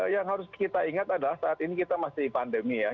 yang harus kita ingat adalah saat ini kita masih pandemi ya